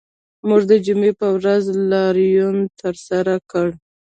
موږ د جمعې په ورځ لاریون ترسره کړ